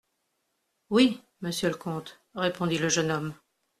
Oui, monsieur le comte, répondit le jeune homme.